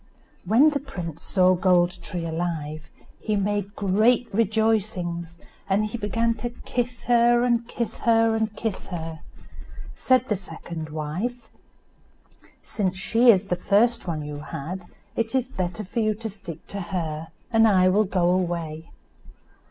When the prince saw Gold tree alive he made great rejoicings, and he began to kiss her, and kiss her, and kiss her. Said the second wife, "Since she is the first one you had it is better for you to stick to her, and I will go away."